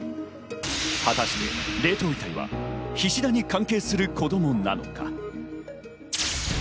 果たして冷凍遺体は菱田に関係する子供なのか？